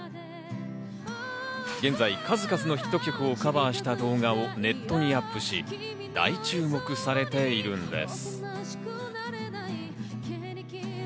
現在、数々のヒット曲をカバーした動画をネットにアップし、大注目されているんです。